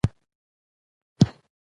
د ټرافیک قواعد د موټروانو ژوند خوندي کوي.